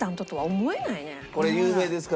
これ有名ですか？